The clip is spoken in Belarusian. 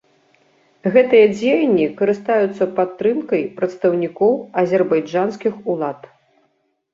Гэтыя дзеянні карыстаюцца падтрымкай прадстаўнікоў азербайджанскіх улад.